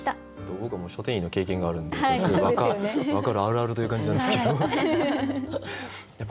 僕も書店員の経験があるんでこれすごい分かるあるあるという感じなんですけど。